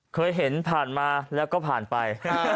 เคยเห็นผ่านมาแล้วก็ผ่านไป